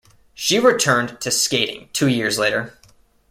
She returned to skating two years later.